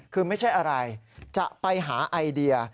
คือไม่ใช่อะไรจะไปหาไอเดีย